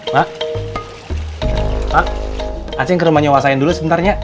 mak mak asing ke rumah nyewasain dulu sebentar ya